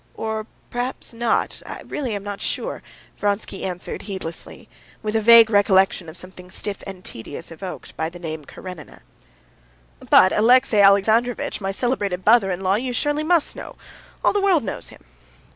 Or perhaps not ... I really am not sure," Vronsky answered heedlessly, with a vague recollection of something stiff and tedious evoked by the name Karenina. "But Alexey Alexandrovitch, my celebrated brother in law, you surely must know. All the world knows him."